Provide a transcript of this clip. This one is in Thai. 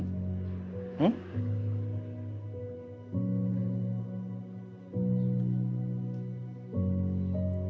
หึ